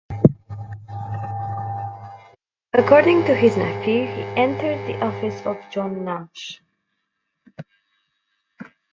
According to his nephew he entered the office of John Nash.